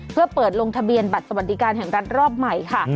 เพื่อเปิดลงทะเบียนบัตรสวัสดิการแห่งรัฐรอบใหม่ค่ะ